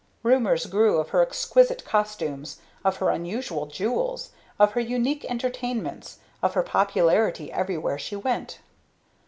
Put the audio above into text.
Rumors grew of her exquisite costumes, of her unusual jewels, of her unique entertainments, of her popularity everywhere she went.